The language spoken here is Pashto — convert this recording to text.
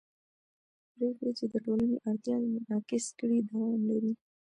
پرېکړې چې د ټولنې اړتیاوې منعکس کړي دوام لري